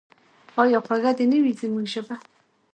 آیا خوږه دې نه وي زموږ ژبه؟